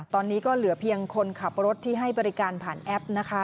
ตอนนี้ก็เหลือเพียงคนขับรถที่ให้บริการผ่านแอปนะคะ